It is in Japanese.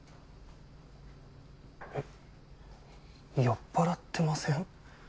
酔っ払ってません？